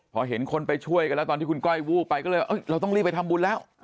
พอเห็นคนไปช่วยกันแล้วตอนที่คุณก้อยวูบไปก็เลยเราต้องรีบไปทำบุญแล้ว